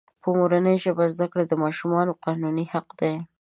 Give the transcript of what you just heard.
په مورنۍ ژبه زده کړه دماشومانو قانوني حق دی.